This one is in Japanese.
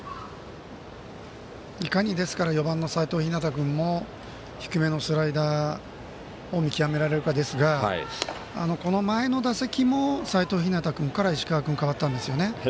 いかに４番の齋藤陽君も低めのスライダーを見極められるかですがこの前の打席も齋藤陽君から石川君かわったんですよね。